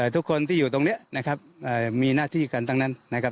ทุกคนที่อยู่ตรงนี้นะครับมีหน้าที่กันทั้งนั้นนะครับ